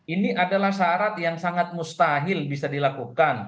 ini adalah syarat yang sangat mustahil bisa dilakukan